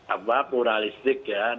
apa pluralistik ya